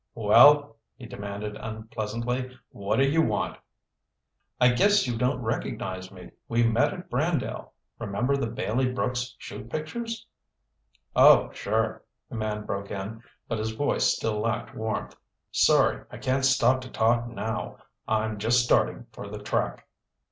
"Well?" he demanded unpleasantly. "What do you want?" "I guess you don't recognize me. We met at Brandale. Remember the Bailey Brooks 'chute pictures—?" "Oh, sure," the man broke in, but his voice still lacked warmth. "Sorry I can't stop to talk now. I'm just starting for the track."